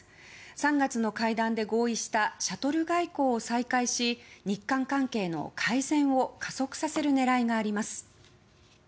３月の会談で合意したシャトル外交を再開し日韓関係の改善を加速させる狙いがあります。